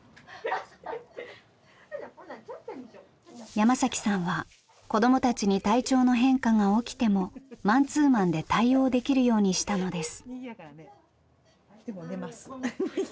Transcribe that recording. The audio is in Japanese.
山さんは子どもたちに体調の変化が起きてもマンツーマンで対応できるようにしたのです。